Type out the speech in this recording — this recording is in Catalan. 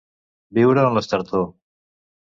Viure en l'estretor.